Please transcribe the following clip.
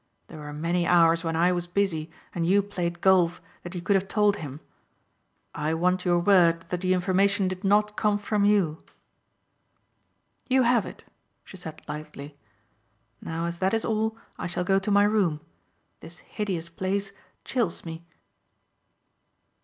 There were many hours when I was busy and you played golf that you could have told him. I want your word that the information did not come from you." "You have it," she said lightly. "Now as that is all I shall go to my room. This hideous place chills me."